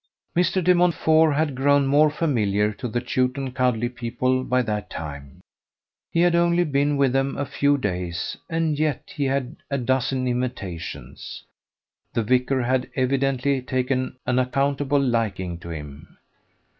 Mr. De Montfort had grown more familiar to the Chewton Cudley people by that time. He had only been with them a few days, and yet he had a dozen invitations. The vicar had evidently taken an unaccountable liking to him.